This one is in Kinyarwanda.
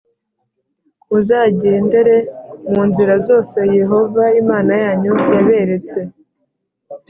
Muzagendere mu nzira zose Yehova Imana yanyu yaberetse